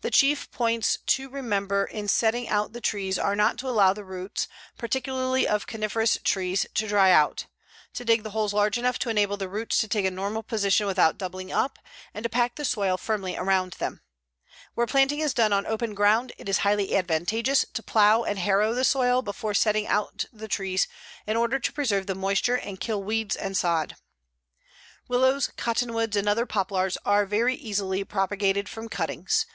The chief points to remember in setting out the trees are not to allow the roots, particularly of coniferous trees, to dry out; to dig the holes large enough to enable the roots to take a normal position without doubling up, and to pack the soil firmly around them. Where planting is done on open ground, it is highly advantageous to plow and harrow the soil before setting out the trees in order to preserve the moisture and kill weeds and sod. Willows, cottonwoods and other poplars are very easily propagated from cuttings.